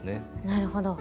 なるほど。